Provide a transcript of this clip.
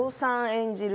演じる